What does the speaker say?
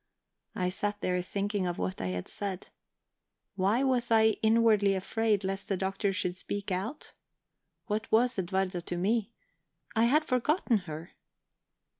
I sat there thinking of what I had said. Why was I inwardly afraid lest the Doctor should speak out? What was Edwarda to me? I had forgotten her.